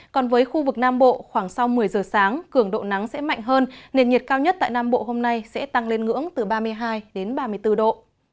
còn với khu vực nam bộ khoảng sau một mươi giờ sáng cường độ nắng sẽ mạnh hơn nền nhiệt cao nhất tại nam bộ hôm nay sẽ tăng lên ngưỡng từ ba mươi hai đến ba mươi bốn độ